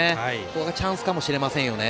ここがチャンスかもしれませんよね。